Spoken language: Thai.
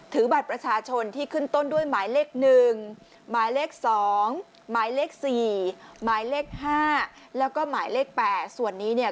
ถือบัตรประชาชนที่ขึ้นต้นด้วยหมายเลขหนึ่งหมายเลขสองหมายเลขสี่หมายเลขห้าแล้วก็หมายเลขแปดส่วนนี้เนี่ย